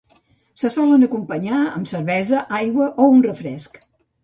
Se solen acompanyar amb cervesa, aigua o un refresc.